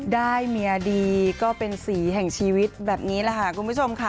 ได้เมียดีก็เป็นสีแห่งชีวิตแบบนี้แหละค่ะคุณผู้ชมค่ะ